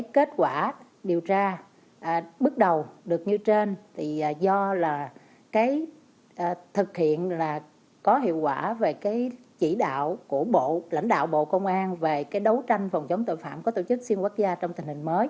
kết quả điều tra bước đầu được như trên do thực hiện có hiệu quả về chỉ đạo của lãnh đạo bộ công an